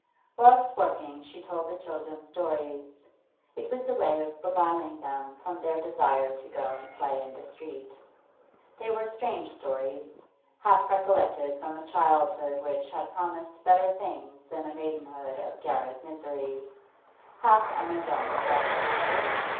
Whilst working she told the children stories; it was a way of beguiling them from their desire to go and play in the street. They were strange stories, half recollected from a childhood which, had promised better things than a maidenhood of garret misery, half Emma's own invention.